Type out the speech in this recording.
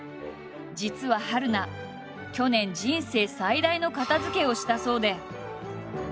実は春菜去年人生最大の片づけをしたそうで。